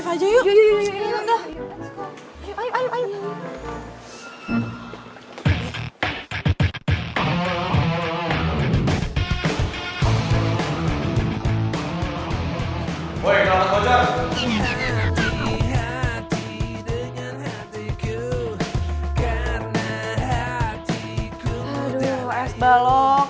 aduh es balok